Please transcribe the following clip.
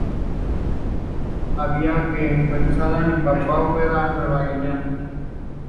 Habita en Queensland y Papúa Nueva Guinea.